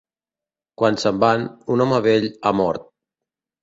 Quan se'n van, un home vell ha mort.